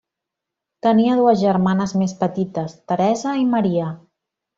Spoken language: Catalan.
Tenia dues germanes més petites, Teresa i Maria.